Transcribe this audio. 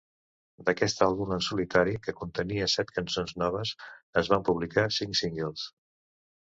D'aquest àlbum en solitari, que contenia set cançons noves, es van publicar cinc singles.